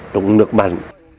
đúng nước mặn